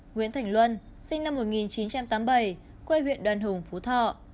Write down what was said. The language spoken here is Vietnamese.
nguyễn thành luân sinh năm một nghìn chín trăm tám mươi bảy quê huyện đoàn hùng phú thọ